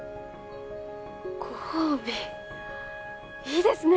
ご褒美いいですね！